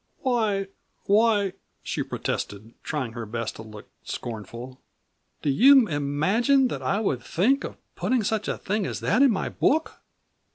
"Why why " she protested, trying her best to look scornful "do you imagine that I would think of putting such a thing as that into my book?"